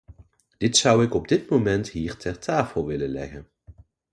Dit zou ik op dit moment hier ter tafel willen leggen.